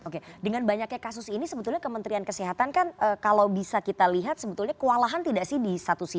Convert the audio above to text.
oke dengan banyaknya kasus ini sebetulnya kementerian kesehatan kan kalau bisa kita lihat sebetulnya kewalahan tidak sih di satu sisi